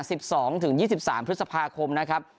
สิบสองถึงยี่สิบสามพฤษภาคมนะครับ